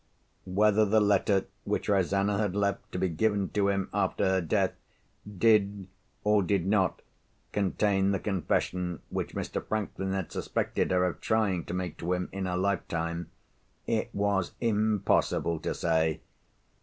Whether the letter which Rosanna had left to be given to him after her death did, or did not, contain the confession which Mr. Franklin had suspected her of trying to make to him in her life time, it was impossible to say.